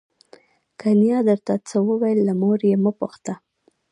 که نیا درته څه وویل له مور یې مه پوښته.